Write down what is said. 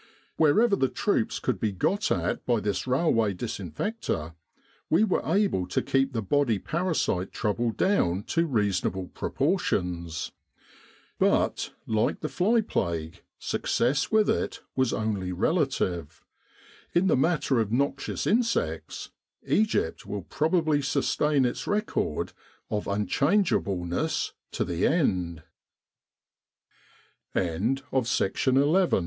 Wherever the troops could be got at by this railway disinfector, we were able to keep the body parasite trouble down to reasonable proportions ; but, like the fly plague, success with it was only relative; in the matter of noxious insects Egypt will probably sustain its record of unchangeable